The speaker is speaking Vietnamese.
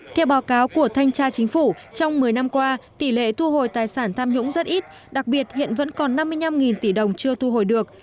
theo báo cáo của thanh tra chính phủ trong một mươi năm qua tỷ lệ thu hồi tài sản tham nhũng rất ít đặc biệt hiện vẫn còn năm mươi năm tỷ đồng chưa thu hồi được